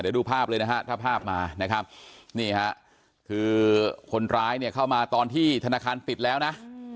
เดี๋ยวดูภาพเลยนะฮะถ้าภาพมานะครับนี่ฮะคือคนร้ายเนี่ยเข้ามาตอนที่ธนาคารปิดแล้วนะ